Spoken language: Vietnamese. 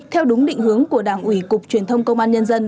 theo đúng định hướng của đảng ủy cục truyền thông công an nhân dân